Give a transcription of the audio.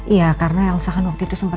iya karena elsa kan waktu itu sempat